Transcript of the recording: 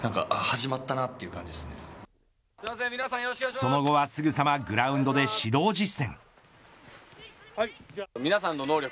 その後はすぐさまグラウンドで指導実践。